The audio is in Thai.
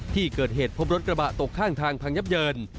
ที่เกิดเหตุพบรถกระบะตกข้างทางพังยับเยิน